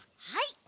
はい！